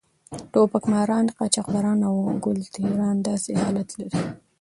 ټوپک ماران، قاچاقبران او ګل ټېران داسې حالت لري.